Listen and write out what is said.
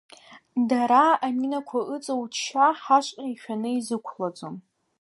Дара, аминақәа ыҵоу џьшьа, ҳашҟа ишәаны изықәлаӡом…